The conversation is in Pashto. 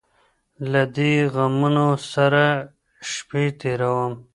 له دې غمـونـو ســـره شــپــې تــېــــروم